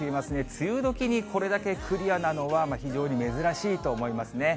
梅雨どきにこれだけクリアなのは、非常に珍しいと思いますね。